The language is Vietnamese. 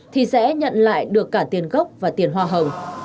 thì sẽ nhận lại được cả tiền gốc và tiền hoa hồng